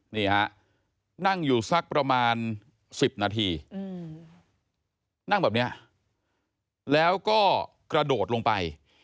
นี่ฮะนั่งอยู่สักประมาณ๑๐นาทีนั่งแบบนี้แล้วก็กระโดดลงไป